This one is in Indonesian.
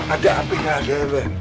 ada api ga ada ya ben